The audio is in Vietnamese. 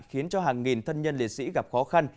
khiến cho hàng nghìn thân nhân liệt sĩ gặp khó khăn